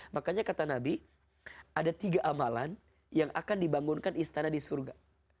makanya kata nabi ada tiga amalan yang akan dibangunkan istana di surga